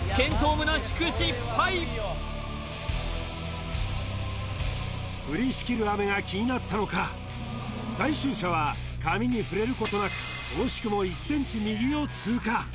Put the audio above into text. むなしく失敗降りしきる雨が気になったのか最終射は紙に触れることなく惜しくも１ｃｍ右を通過